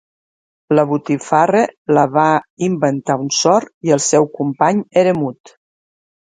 La botifarra la va inventar un sord i el seu company era mut.